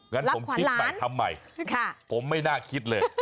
งั้นผมคิดใหม่ทำใหม่ผมไม่น่าคิดเลย